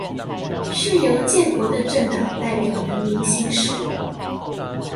是由建國的政黨代表人民行使